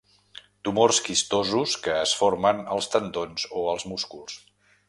Tumors quistosos que es formen als tendons o als músculs.